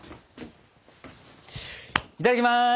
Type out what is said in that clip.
いただきます！